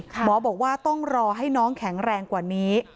หมอบอกว่าต้องรอให้น้องแข็งแรงกว่านี้